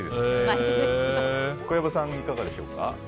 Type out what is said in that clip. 小籔さん、いかがでしょうか。